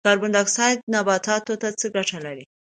کاربن ډای اکسایډ نباتاتو ته څه ګټه لري؟